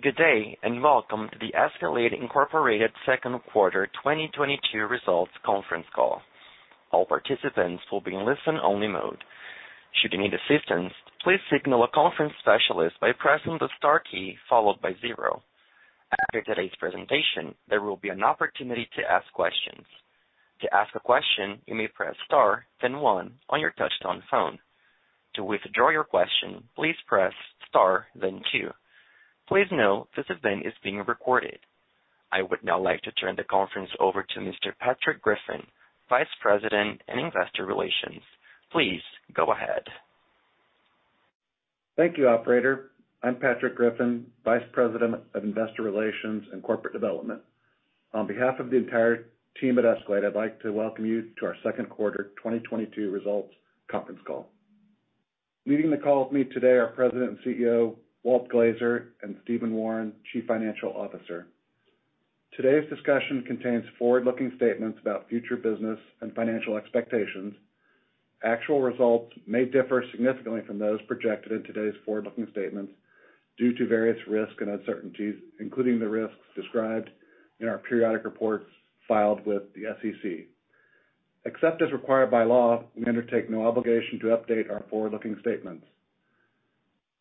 Good day, and welcome to the Escalade, Incorporated second quarter 2022 results conference call. All participants will be in listen-only mode. Should you need assistance, please signal a conference specialist by pressing the star key followed by zero. After today's presentation, there will be an opportunity to ask questions. To ask a question, you may press star then one on your touchtone phone. To withdraw your question, please press star then two. Please note this event is being recorded. I would now like to turn the conference over to Mr. Patrick Griffin, Vice President in Investor Relations. Please go ahead. Thank you, operator. I'm Patrick Griffin, Vice President of Investor Relations and Corporate Development. On behalf of the entire team at Escalade, I'd like to welcome you to our second quarter 2022 results conference call. Leading the call with me today are President and CEO, Walt Glazer, and Stephen Wawrin, Chief Financial Officer. Today's discussion contains forward-looking statements about future business and financial expectations. Actual results may differ significantly from those projected in today's forward-looking statements due to various risks and uncertainties, including the risks described in our periodic reports filed with the SEC. Except as required by law, we undertake no obligation to update our forward-looking statements.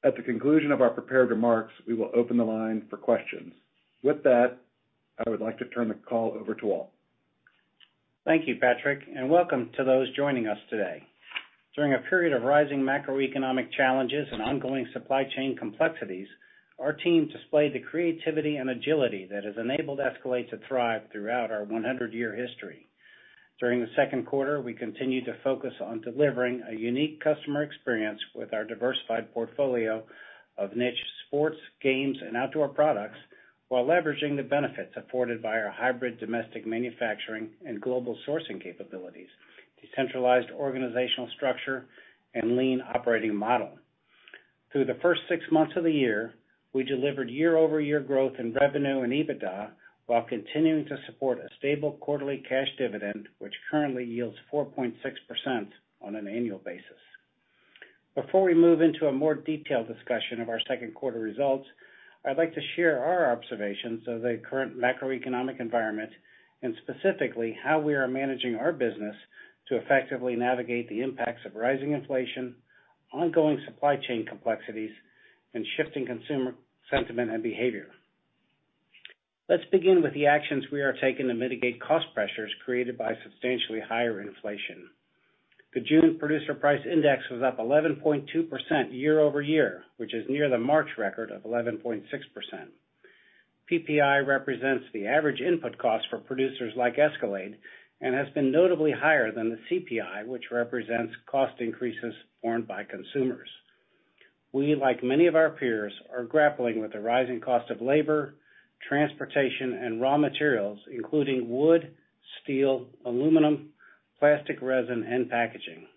At the conclusion of our prepared remarks, we will open the line for questions. With that, I would like to turn the call over to Walt. Thank you, Patrick, and welcome to those joining us today. During a period of rising macroeconomic challenges and ongoing supply chain complexities, our team displayed the creativity and agility that has enabled Escalade to thrive throughout our 100-year history. During the second quarter, we continued to focus on delivering a unique customer experience with our diversified portfolio of niche sports, games, and outdoor products, while leveraging the benefits afforded by our hybrid domestic manufacturing and global sourcing capabilities, decentralized organizational structure, and lean operating model. Through the first six months of the year, we delivered year-over-year growth in revenue and EBITDA, while continuing to support a stable quarterly cash dividend, which currently yields 4.6% on an annual basis. Before we move into a more detailed discussion of our second quarter results, I'd like to share our observations of the current macroeconomic environment and specifically how we are managing our business to effectively navigate the impacts of rising inflation, ongoing supply chain complexities, and shifting consumer sentiment and behavior. Let's begin with the actions we are taking to mitigate cost pressures created by substantially higher inflation. The June Producer Price Index was up 11.2% year-over-year, which is near the March record of 11.6%. PPI represents the average input cost for producers like Escalade and has been notably higher than the CPI, which represents cost increases borne by consumers. We, like many of our peers, are grappling with the rising cost of labor, transportation, and raw materials, including wood, steel, aluminum, plastic resin, and packaging.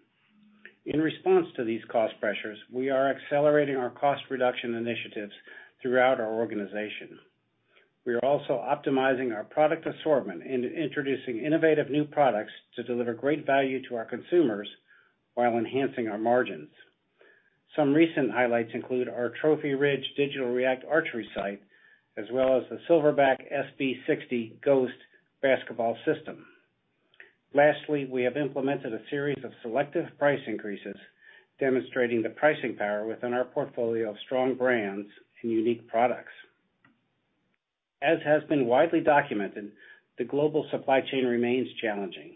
In response to these cost pressures, we are accelerating our cost reduction initiatives throughout our organization. We are also optimizing our product assortment and introducing innovative new products to deliver great value to our consumers while enhancing our margins. Some recent highlights include our Trophy Ridge Digital React archery sight, as well as the Silverback SB60 Ghost basketball system. Lastly, we have implemented a series of selective price increases, demonstrating the pricing power within our portfolio of strong brands and unique products. As has been widely documented, the global supply chain remains challenging.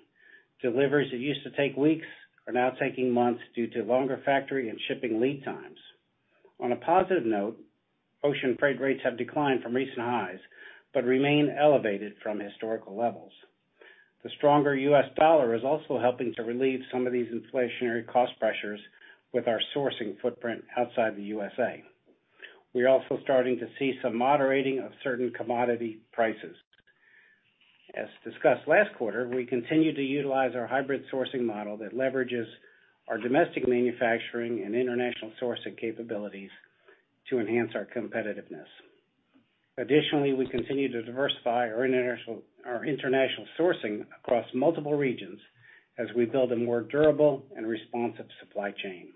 Deliveries that used to take weeks are now taking months due to longer factory and shipping lead times. On a positive note, ocean freight rates have declined from recent highs, but remain elevated from historical levels. The stronger U.S. dollar is also helping to relieve some of these inflationary cost pressures with our sourcing footprint outside the USA. We're also starting to see some moderating of certain commodity prices. As discussed last quarter, we continue to utilize our hybrid sourcing model that leverages our domestic manufacturing and international sourcing capabilities to enhance our competitiveness. Additionally, we continue to diversify our international sourcing across multiple regions as we build a more durable and responsive supply chain.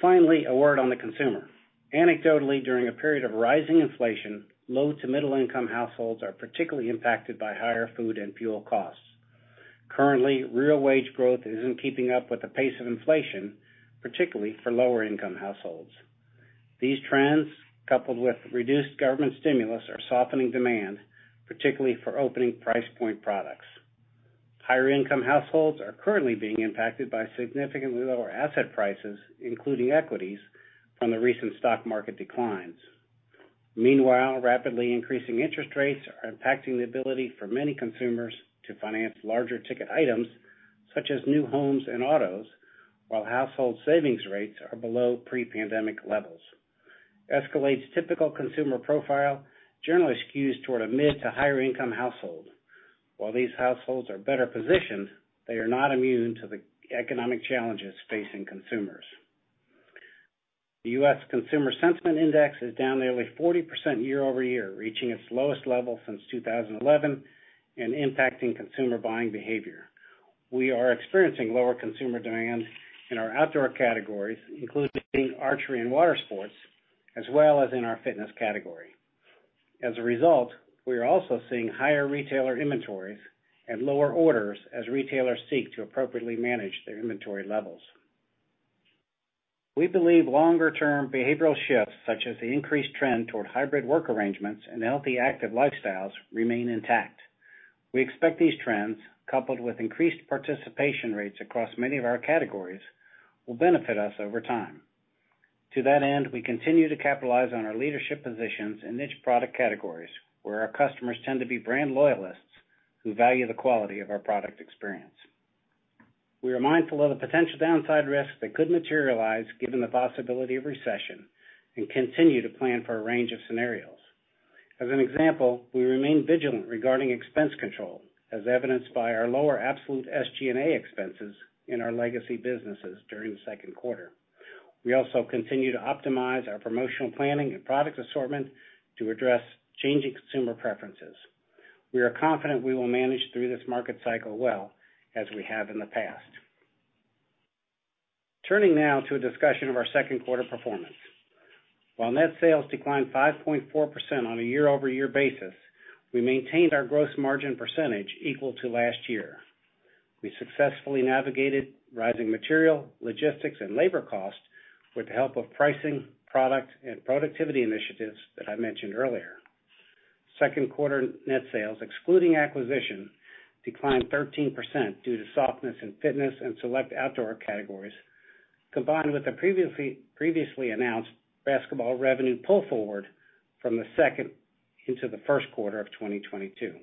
Finally, a word on the consumer. Anecdotally, during a period of rising inflation, low to middle income households are particularly impacted by higher food and fuel costs. Currently, real wage growth isn't keeping up with the pace of inflation, particularly for lower income households. These trends, coupled with reduced government stimulus, are softening demand, particularly for opening price point products. Higher income households are currently being impacted by significantly lower asset prices, including equities from the recent stock market declines. Meanwhile, rapidly increasing interest rates are impacting the ability for many consumers to finance larger ticket items such as new homes and autos, while household savings rates are below pre-pandemic levels. Escalade's typical consumer profile generally skews toward a mid to higher income household. While these households are better positioned, they are not immune to the economic challenges facing consumers. The U.S. Consumer Sentiment Index is down nearly 40% year-over-year, reaching its lowest level since 2011 and impacting consumer buying behavior. We are experiencing lower consumer demand in our outdoor categories, including archery and water sports, as well as in our fitness category. As a result, we are also seeing higher retailer inventories and lower orders as retailers seek to appropriately manage their inventory levels. We believe longer-term behavioral shifts, such as the increased trend toward hybrid work arrangements and healthy active lifestyles remain intact. We expect these trends, coupled with increased participation rates across many of our categories, will benefit us over time. To that end, we continue to capitalize on our leadership positions in niche product categories, where our customers tend to be brand loyalists who value the quality of our product experience. We are mindful of the potential downside risks that could materialize given the possibility of recession and continue to plan for a range of scenarios. As an example, we remain vigilant regarding expense control, as evidenced by our lower absolute SG&A expenses in our legacy businesses during the second quarter. We also continue to optimize our promotional planning and product assortment to address changing consumer preferences. We are confident we will manage through this market cycle well, as we have in the past. Turning now to a discussion of our second quarter performance. While net sales declined 5.4% on a year-over-year basis, we maintained our gross margin percentage equal to last year. We successfully navigated rising material, logistics, and labor costs with the help of pricing, product, and productivity initiatives that I mentioned earlier. Second quarter net sales, excluding acquisition, declined 13% due to softness in fitness and select outdoor categories, combined with the previously announced basketball revenue pull forward from the second into the first quarter of 2022.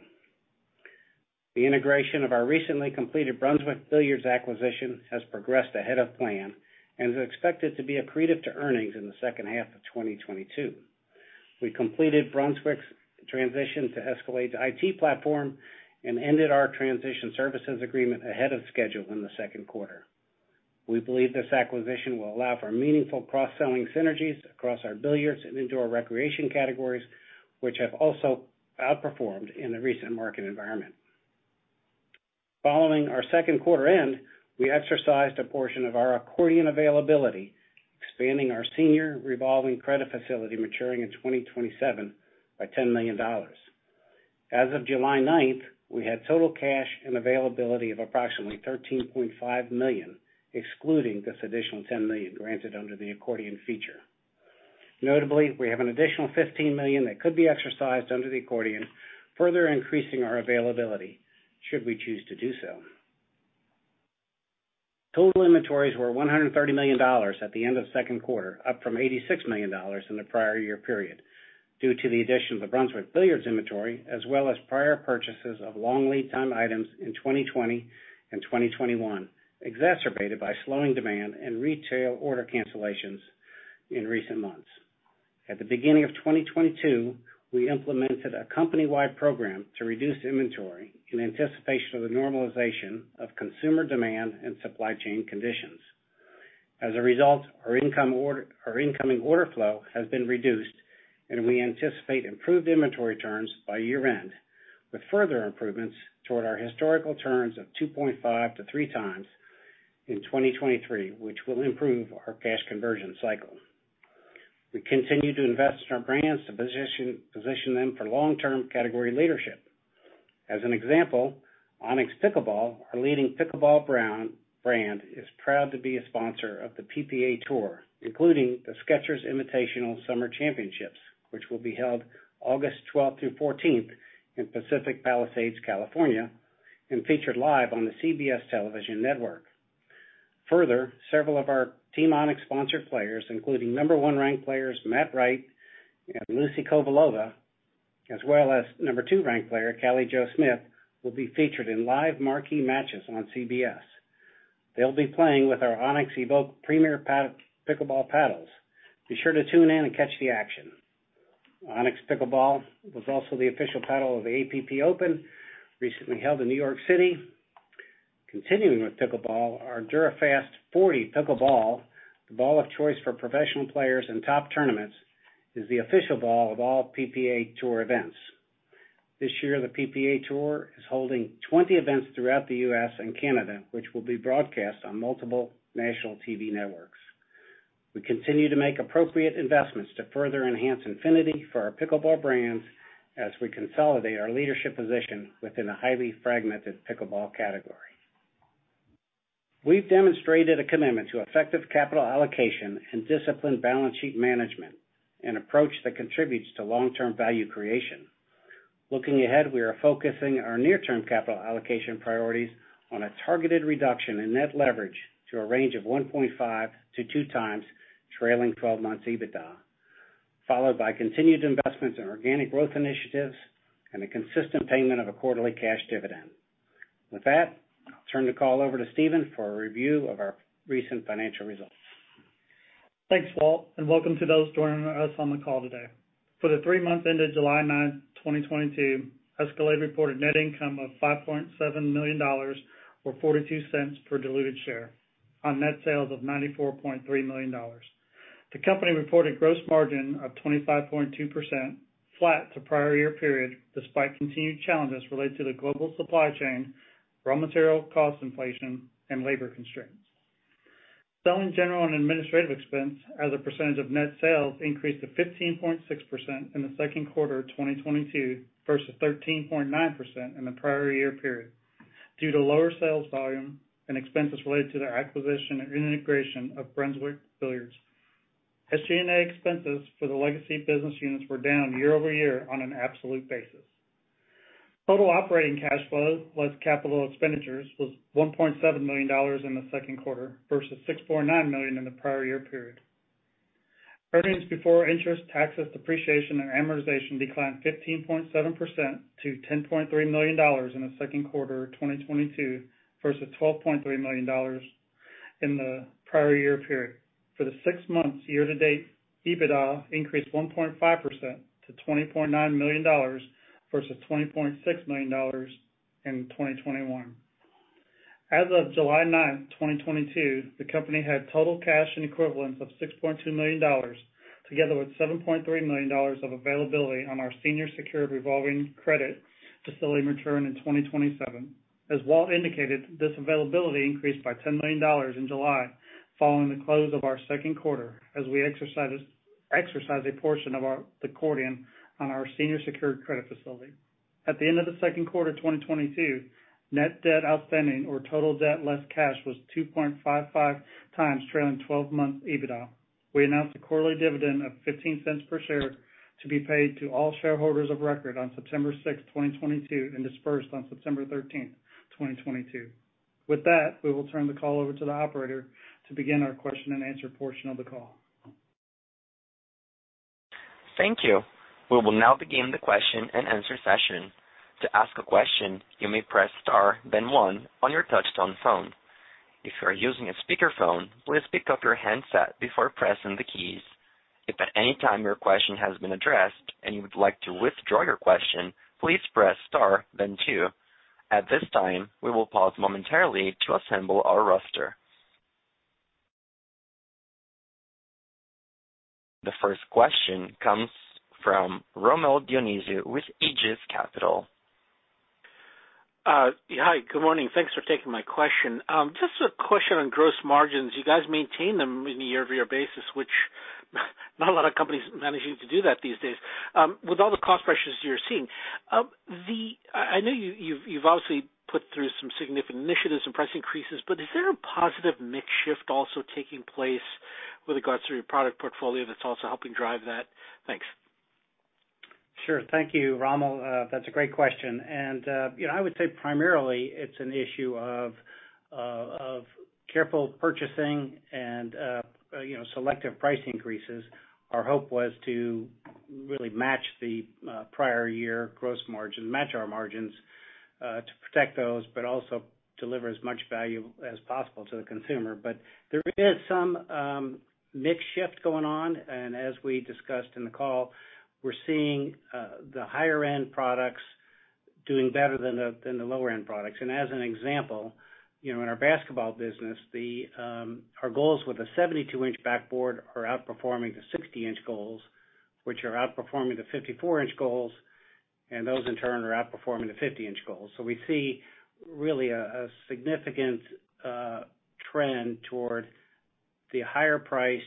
The integration of our recently completed Brunswick Billiards acquisition has progressed ahead of plan and is expected to be accretive to earnings in the second half of 2022. We completed Brunswick's transition to Escalade's IT platform and ended our transition services agreement ahead of schedule in the second quarter. We believe this acquisition will allow for meaningful cross-selling synergies across our billiards and indoor recreation categories, which have also outperformed in the recent market environment. Following our second quarter end, we exercised a portion of our accordion availability, expanding our senior revolving credit facility maturing in 2027 by $10 million. As of July 9th, we had total cash and availability of approximately $13.5 million, excluding this additional $10 million granted under the accordion feature. Notably, we have an additional $15 million that could be exercised under the accordion, further increasing our availability should we choose to do so. Total inventories were $130 million at the end of second quarter, up from $86 million in the prior year period, due to the addition of the Brunswick Billiards inventory, as well as prior purchases of long lead time items in 2020 and 2021, exacerbated by slowing demand and retail order cancellations in recent months. At the beginning of 2022, we implemented a company-wide program to reduce inventory in anticipation of the normalization of consumer demand and supply chain conditions. As a result, our incoming order flow has been reduced, and we anticipate improved inventory terms by year-end, with further improvements toward our historical terms of 2.5x-3x in 2023, which will improve our cash conversion cycle. We continue to invest in our brands to position them for long-term category leadership. As an example, Onix Pickleball, our leading pickleball brand, is proud to be a sponsor of the PPA Tour, including the Skechers Invitational Summer Championship, which will be held August 12 through 14 in Pacific Palisades, California, and featured live on the CBS television network. Further, several of our Team Onix sponsored players, including number one ranked players Matt Wright and Lucy Kovalova, as well as number two ranked player Callie Jo Smith, will be featured in live marquee matches on CBS. They'll be playing with our Onix Evoke Premier Pickleball paddles. Be sure to tune in and catch the action. Onix Pickleball was also the official paddle of the APP Open, recently held in New York City. Continuing with pickleball, our Dura Fast 40 Pickleball, the ball of choice for professional players and top tournaments, is the official ball of all PPA Tour events. This year, the PPA Tour is holding 20 events throughout the U.S. and Canada, which will be broadcast on multiple national TV networks. We continue to make appropriate investments to further enhance affinity for our pickleball brands as we consolidate our leadership position within the highly fragmented pickleball category. We've demonstrated a commitment to effective capital allocation and disciplined balance sheet management, an approach that contributes to long-term value creation. Looking ahead, we are focusing our near-term capital allocation priorities on a targeted reduction in net leverage to a range of 1.5x-2x trailing twelve months EBITDA, followed by continued investments in organic growth initiatives and the consistent payment of a quarterly cash dividend. With that, I'll turn the call over to Stephen for a review of our recent financial results. Thanks, Walt, and welcome to those joining us on the call today. For the three months ended July 9th, 2022, Escalade reported net income of $5.7 million, or $0.42 per diluted share on net sales of $94.3 million. The company reported gross margin of 25.2%, flat to prior year period, despite continued challenges related to the global supply chain, raw material cost inflation, and labor constraints. Selling general and administrative expense as a percentage of net sales increased to 15.6% in the second quarter of 2022 versus 13.9% in the prior year period due to lower sales volume and expenses related to the acquisition and integration of Brunswick Billiards. SG&A expenses for the legacy business units were down year over year on an absolute basis. Total operating cash flow plus capital expenditures was $1.7 million in the second quarter versus $6.9 million in the prior year period. Earnings before interest, taxes, depreciation, and amortization declined 15.7% to $10.3 million in the second quarter of 2022 versus $12.3 million in the prior year period. For the six months year to date, EBITDA increased 1.5% to $20.9 million versus $20.6 million in 2021. As of July 9, 2022, the company had total cash and equivalents of $6.2 million, together with $7.3 million of availability on our senior secured revolving credit facility maturing in 2027. As Walt indicated, this availability increased by $10 million in July following the close of our second quarter as we exercise a portion of the accordion on our senior secured credit facility. At the end of the second quarter of 2022, net debt outstanding or total debt less cash was 2.55x trailing twelve months EBITDA. We announced a quarterly dividend of $0.15 per share to be paid to all shareholders of record on September 6, 2022, and dispersed on September 13, 2022. With that, we will turn the call over to the operator to begin our question-and-answer portion of the call. Thank you. We will now begin the question-and-answer session. To ask a question, you may press star, then one on your touchtone phone. If you are using a speakerphone, please pick up your handset before pressing the keys. If at any time your question has been addressed and you would like to withdraw your question, please press star then two. At this time, we will pause momentarily to assemble our roster. The first question comes from Rommel Dionisio with Aegis Capital. Yeah. Hi. Good morning. Thanks for taking my question. Just a question on gross margins. You guys maintain them on a year-over-year basis, which not a lot of companies managing to do that these days. With all the cost pressures you're seeing, I know you've obviously put through some significant initiatives and price increases, but is there a positive mix shift also taking place with regards to your product portfolio that's also helping drive that? Thanks. Sure. Thank you, Rommel. That's a great question. You know, I would say primarily it's an issue of careful purchasing and, you know, selective price increases. Our hope was to really match the prior year gross margin, match our margins, to protect those, but also deliver as much value as possible to the consumer. There is some mix shift going on, and as we discussed in the call, we're seeing the higher-end products doing better than the lower-end products. As an example, you know, in our basketball business, our goals with a 72-in backboard are outperforming the 60-in goals, which are outperforming the 54-in goals, and those in turn are outperforming the 50-in goals. We see really a significant trend toward the higher priced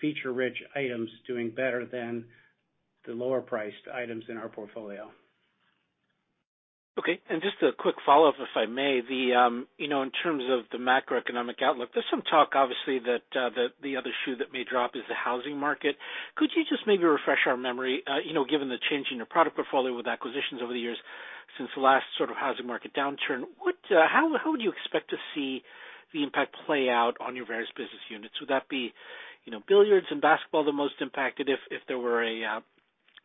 feature-rich items doing better than the lower priced items in our portfolio. Okay. Just a quick follow-up if I may. The, you know, in terms of the macroeconomic outlook, there's some talk obviously that the other shoe that may drop is the housing market. Could you just maybe refresh our memory, you know, given the change in your product portfolio with acquisitions over the years since the last sort of housing market downturn, how would you expect to see the impact play out on your various business units? Would that be, you know, billiards and basketball the most impacted if there were a,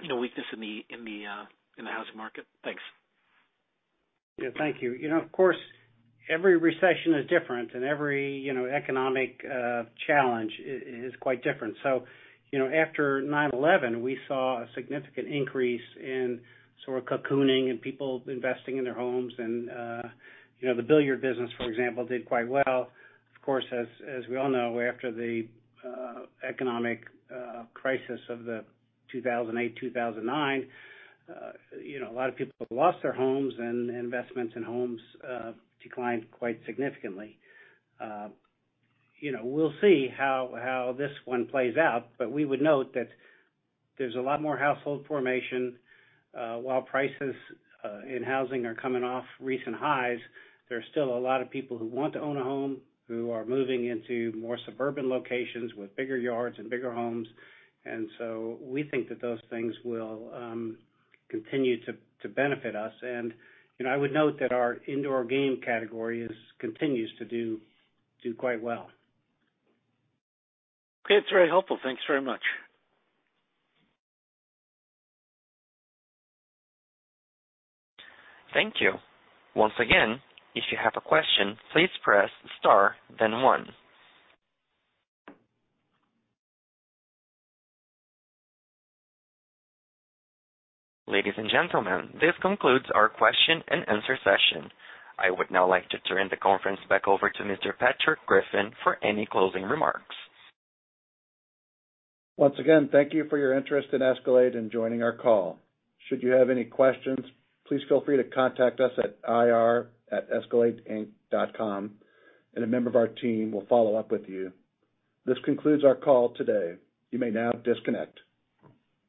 you know, weakness in the housing market? Thanks. Yeah, thank you. You know, of course, every recession is different and every, you know, economic challenge is quite different. You know, after 9/11, we saw a significant increase in sort of cocooning and people investing in their homes. You know, the billiard business, for example, did quite well. Of course, as we all know, after the economic crisis of 2008, 2009, you know, a lot of people lost their homes and investments in homes declined quite significantly. You know, we'll see how this one plays out, but we would note that there's a lot more household formation. While prices in housing are coming off recent highs, there's still a lot of people who want to own a home, who are moving into more suburban locations with bigger yards and bigger homes. We think that those things will continue to benefit us. You know, I would note that our indoor game category continues to do quite well. Okay. It's very helpful. Thanks very much. Thank you. Once again, if you have a question, please press star then one. Ladies and gentlemen, this concludes our question-and-answer session. I would now like to turn the conference back over to Mr. Patrick Griffin for any closing remarks. Once again, thank you for your interest in Escalade and joining our call. Should you have any questions, please feel free to contact us at ir@escaladeinc.com, and a member of our team will follow up with you. This concludes our call today. You may now disconnect.